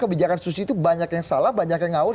kebijakan susi itu banyak yang salah banyak yang ngawur